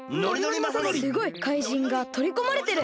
すごい！かいじんがとりこまれてる！